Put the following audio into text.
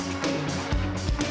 di akhir kelar lagi